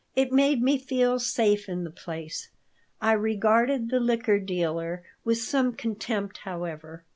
It made me feel safe in the place. I regarded the liquor dealer with some contempt, however.